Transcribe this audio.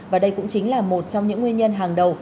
và đây cũng chính là một trong những nguyên nhân hàng đầu